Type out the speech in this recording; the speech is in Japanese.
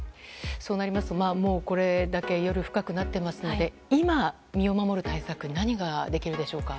そうなりますとこれだけ夜深くなっていますので今、身を守る対策何ができるでしょうか？